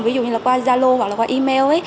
ví dụ như là qua zalo hoặc là qua email